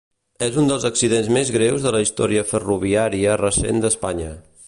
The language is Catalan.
És un dels accidents més greus de la història ferroviària recent d'Espanya.